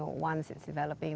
banyak orang yang terlibat